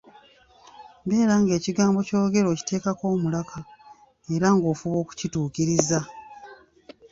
Beera ng'ekigambo ky'oyogera okiteekako omulaka era ng'ofuba okukituukiriza.